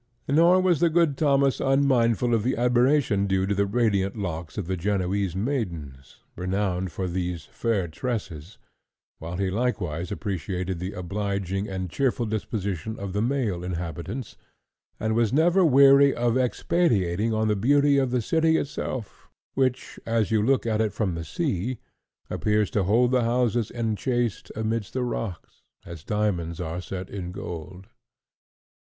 Nor was the good Thomas unmindful of the admiration due to the radiant locks of the Genoese maidens, renowned for those fair tresses, while he likewise appreciated the obliging and cheerful disposition of the male inhabitants, and was never weary of expatiating on the beauty of the city itself, which, as you look at it from the sea, appears to hold the houses enchased amidst the rocks, as diamonds are set in gold.